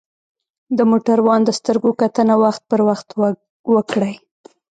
د موټروان د سترګو کتنه وخت پر وخت وکړئ.